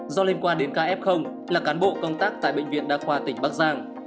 do liên quan đến ca f là cán bộ công tác tại bệnh viện đa khoa tỉnh bắc giang